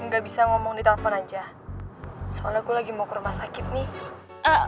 gak bisa ngomong di telepon aja soalnya gue lagi mau ke rumah sakit nih